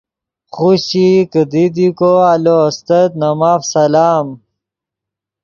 خوشچئی کیدی دی کو آلو استت نے ماف سلام۔